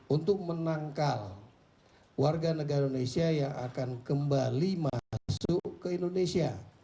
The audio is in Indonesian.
untuk menangkal warga negara indonesia yang akan kembali masuk ke indonesia